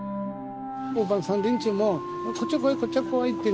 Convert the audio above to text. おばさん連中もこっちゃ来いこっちゃ来いってね